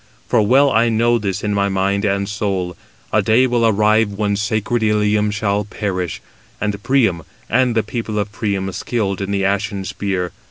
For well I know this in my mind and soul; a day will arrive when sacred Ilium shall perish, and Priam, and the people of Priam skilled in the ashen spear.